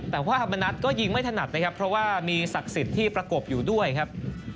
แต่ว่าธรรมนัฐก็ยิงไม่ถนัดนะครับเพราะว่ามีศักดิ์สิทธิ์ที่ประกบอยู่ด้วยครับ